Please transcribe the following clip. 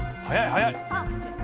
早い早い！